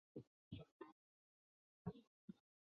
现在参加西班牙足球甲级联赛。